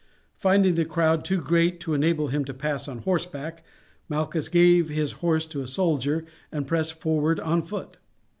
Finding the crowd too great to enable him to pass on horseback, Malchus gave his horse to a soldier and pressed forward on foot.